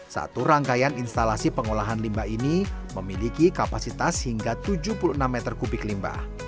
satu rangkaian instalasi pengolahan limbah ini memiliki kapasitas hingga tujuh puluh enam meter kubik limbah